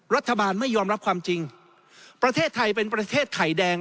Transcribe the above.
รัฐบาลไม่ยอมรับความจริงประเทศไทยเป็นประเทศไข่แดง